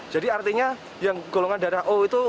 jadi artinya yang golongan darah o itu